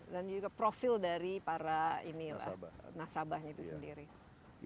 dan juga profil dari para nasabahnya itu sendiri